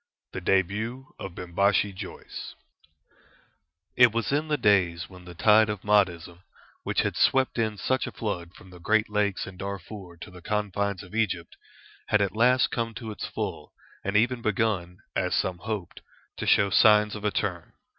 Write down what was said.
THE DEBUT OF BIMBASHI JOYCE It was in the days when the tide of Mahdism, which had swept in such a flood from the great Lakes and Darfur to the confines of Egypt, had at last come to its full, and even begun, as some hoped, to show signs of a turn.